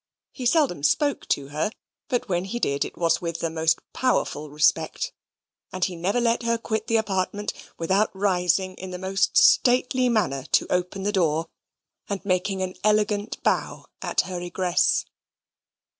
He seldom spoke to her, but when he did it was with the most powerful respect; and he never let her quit the apartment without rising in the most stately manner to open the door, and making an elegant bow at her egress.